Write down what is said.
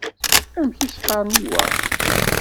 Amek i s-qqaren i wa?